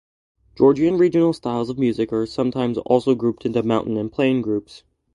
Georgian regional styles of music are sometimes also grouped into mountain and plain groups.